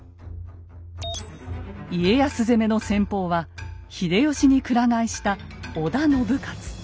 家康攻めの先鋒は秀吉に鞍替えした織田信雄。